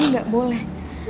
lo gak boleh